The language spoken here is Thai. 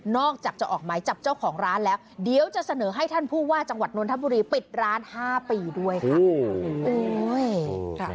อกจากจะออกหมายจับเจ้าของร้านแล้วเดี๋ยวจะเสนอให้ท่านผู้ว่าจังหวัดนทบุรีปิดร้าน๕ปีด้วยค่ะ